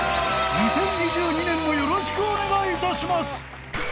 ［２０２２年もよろしくお願いいたします］